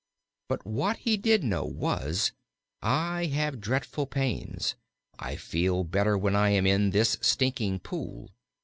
But what he did know was, "I have dreadful pains; I feel better when I am in this stinking pool."